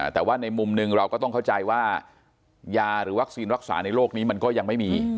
แต่ว่าในมุมหนึ่งเราก็ต้องเข้าใจว่ายาหรือวัคซีนรักษาในโลกนี้มันก็ยังไม่มี